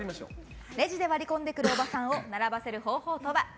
レジで割り込んでくるおばさんを並ばせる方法とは？